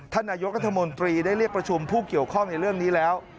ท่านนายกรัฐมนตรีได้เรียกประชุมผู้เกี่ยวข้องในเรื่องนี้แล้ว